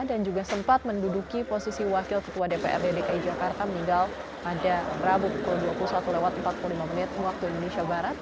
dan juga sempat menduduki posisi wakil ketua dpr dki jakarta meninggal pada rabu pukul dua puluh satu empat puluh lima wib